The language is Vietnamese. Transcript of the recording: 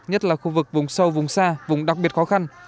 nhất là khu vực vùng sâu vùng xa vùng đặc biệt khó khăn